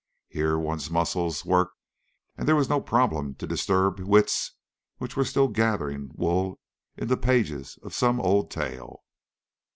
Here one's muscles worked, and there was no problem to disturb wits which were still gathering wool in the pages of some old tale.